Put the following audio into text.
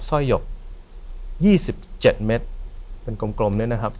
สร้อยหยก๒๗เม็ดเป็นกลมเนี่ยนะครับ